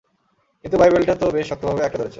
কিন্তু, বাইবেলটা তো বেশ শক্তভাবেই আঁকড়ে ধরেছেন।